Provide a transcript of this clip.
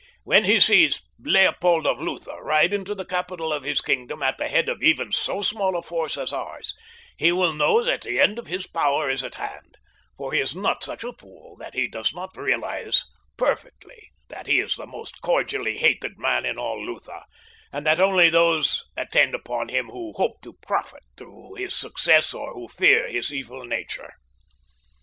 When he sees Leopold of Lutha ride into the capital of his kingdom at the head of even so small a force as ours he will know that the end of his own power is at hand, for he is not such a fool that he does not perfectly realize that he is the most cordially hated man in all Lutha, and that only those attend upon him who hope to profit through his success or who fear his evil nature."